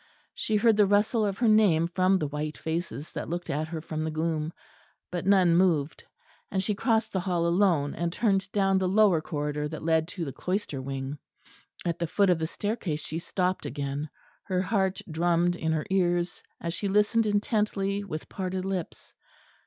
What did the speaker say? She heard the rustle of her name from the white faces that looked at her from the gloom; but none moved; and she crossed the hall alone, and turned down the lower corridor that led to the cloister wing. At the foot of the staircase she stopped again; her heart drummed in her ears, as she listened intently with parted lips.